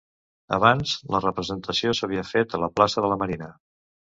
Abans, la representació s'havia fet a la plaça de la Marina.